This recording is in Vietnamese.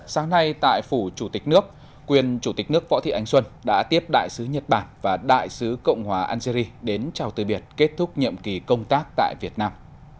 sáng nay tại phủ chủ tịch nước quyền chủ tịch nước võ thị ánh xuân đã tiếp đại sứ nhật bản và đại sứ cộng hòa algeri đến chào từ biệt kết thúc nhiệm kỳ công tác tại việt nam